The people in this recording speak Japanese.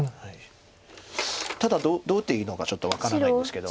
ただどう打っていいのかちょっと分からないんですけど。